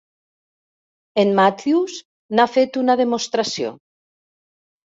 En Matthews n'ha fet una demostració.